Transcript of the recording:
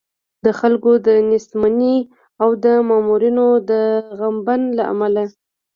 د خلکو د نېستمنۍ او د مامورینو د غبن له امله.